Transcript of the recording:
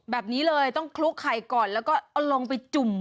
แบบนี้เลยต้องคลุกไข่ก่อนแล้วก็เอาลงไปจุ่ม